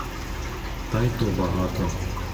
Та й то багато.